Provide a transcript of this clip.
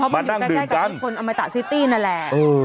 มานั่งดื่มกันเพราะมันอยู่ใกล้กับอีกคนอมเตอร์ตาซิตี้นั่นแหละ